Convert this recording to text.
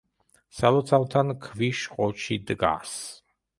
სალოცავთან ქვიშ ყოჩი დგას.